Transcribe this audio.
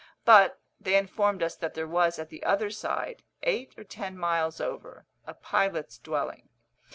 But they informed us that there was at the other side, eight or ten miles over, a pilot's dwelling.